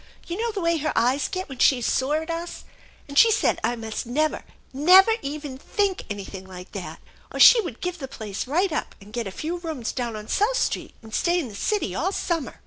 You know the way her eyes get when she is sore at us? And she said I must never, never even think anything like that, or she would give the place right up, and get a few rooms down on South Street, and stay in the city all summer